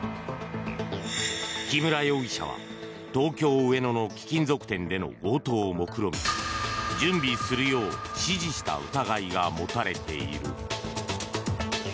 木村容疑者は東京・上野の貴金属店での強盗をもくろみ準備するよう指示した疑いが持たれている。